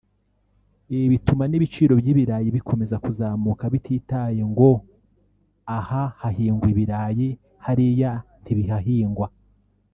Ibi bituma n’ibiciro by’ibirayi bikomeza kuzamuka bititaye ngo aha hahingwa ibirayi hariya ntibihahingwa